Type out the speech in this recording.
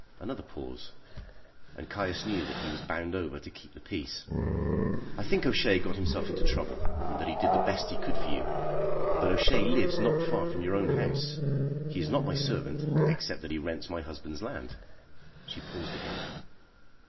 Another pause, and Caius knew that he was bound over to keep the peace. "I think O'Shea got himself into trouble, and that he did the best he could for you; but O'Shea lives not far from your own house. He is not my servant, except that he rents my husband's land." She paused again.